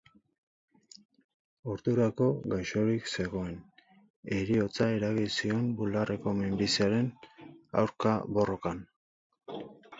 Ordurako gaixorik zegoen, heriotza eragin zion bularreko minbiziaren aurka borrokan.